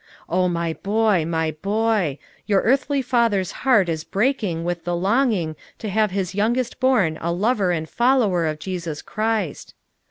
Oh, my boy, my boy! your earthly father's heart is break ing with the longing to have his youngest born a lover and follower of Jesus Christ.